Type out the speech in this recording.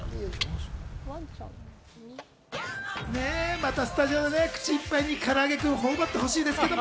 またスタジオで口いっぱいに、からあげくんをほおばってほしいです。